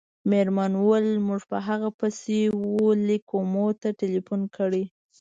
مېرمنې وویل: موږ په هغه پسې وه لېک کومو ته ټېلیفون کړی.